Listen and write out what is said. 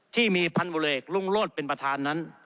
ที่มีพันธุ์บุริเอกรุงโลศดิกับประธานนั้น